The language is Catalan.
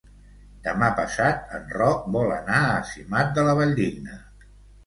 Demà passat en Roc vol anar a Simat de la Valldigna.